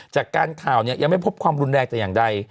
จากการข่าวเนี่ยยังไม่พบความรุนแรงแต่อย่างใด